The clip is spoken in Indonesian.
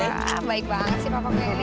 ya baik banget sih papa kayak gini